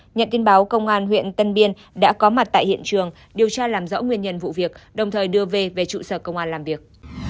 nhận tin báo công an huyện tân biên đã có mặt tại hiện trường điều tra làm rõ nguyên nhân vụ việc đồng thời đưa về trụ sở công an làm việc